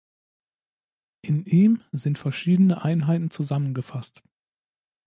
In ihm sind verschiedene Einheiten zusammengefasst.